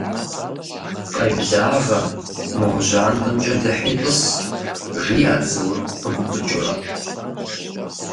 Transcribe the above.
Къеблагъэ, мо жьантӏэмкӏэ дыхьи тӏыс, - жиӏэт Заур пыгуфӏыкӏыурэ.